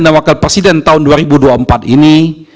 dan wakil presiden tahun dua ribu dua puluh empat ini